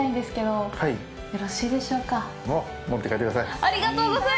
もう、持って帰ってください。